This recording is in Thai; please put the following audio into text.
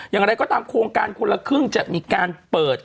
อย่างไรก็ตามโครงการคนละครึ่งจะมีการเปิด